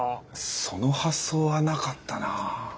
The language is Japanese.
その発想はなかったなぁ。